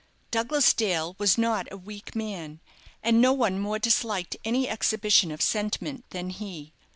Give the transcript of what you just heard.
Douglas Dale was not a weak man, and no one more disliked any exhibition of sentiment than he.